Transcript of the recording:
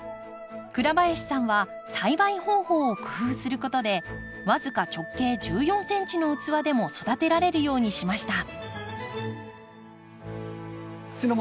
倉林さんは栽培方法を工夫することで僅か直径１４ｃｍの器でも育てられるようにしました。